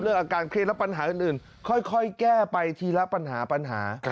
เรื่องอาการเครียดแล้วปัญหาอื่นอื่นค่อยแก้ไปทีละปัญหาปัญหา